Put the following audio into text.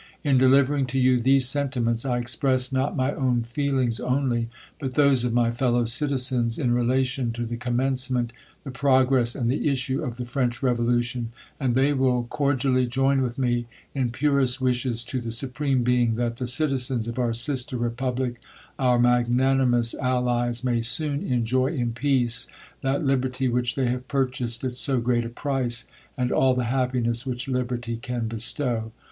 In delivering to you these sentiments, I express not my own feelings only, but those of my fellow citizens, in relation to the commencement, the progress, and the issue^ of the French revolution ; and they will cordi ally join with me in purest wishes to the Supreme Be i ing, that the ciiizens of our sister republic, our mag nanimous C8 THE COLUMBIAN ORATOR. nanimous allies, may soon enjoy, in peace, that libertjr,! which they have purchased at so great a price, and all ihe happiness which liberty can bestow.